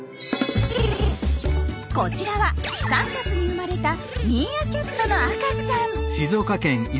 こちらは３月に生まれたミーアキャットの赤ちゃん。